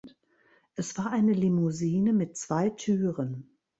Es war eine Limousine mit zwei Türen.